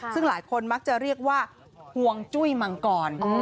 ซึ่งหลายคนมักจะเรียกว่าห่วงจุ้ยมังกร